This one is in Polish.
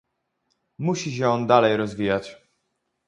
Musi się on dalej rozwijać